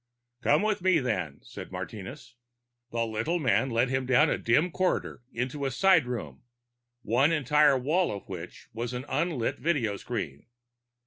"Come with me, then," said Martinez. The little man led him down a dim corridor into a side room, one entire wall of which was an unlit video screen.